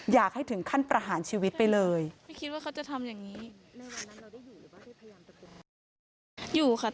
อยากให้ถึงขั้นประหารชีวิตไปเลย